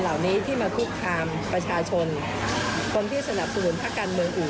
ให้กับภาคการเมืองบางภาคด้วยนะคะ